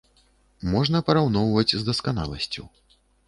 Можна параўноўваць з дасканаласцю.